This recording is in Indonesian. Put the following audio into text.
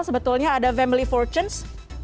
sebetulnya ada family fortunes